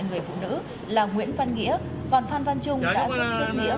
người phụ nữ là nguyễn văn nghĩa còn phan văn trung đã giúp giúp nghĩa